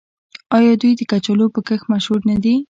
آیا دوی د کچالو په کښت مشهور نه دي؟